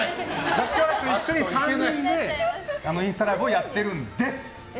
座敷わらしと一緒に３人でインスタライブをやってるんです！